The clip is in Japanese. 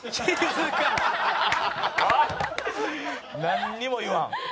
なんにも言わん。